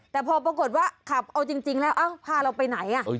แต่พอปรากฏว่าขับเอาจริงแล้วพาเราไปไหน